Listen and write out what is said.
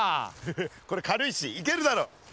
これ軽いしいけるだろ。